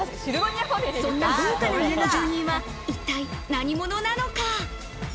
そんな豪華な家の住人は一体、何者なのか？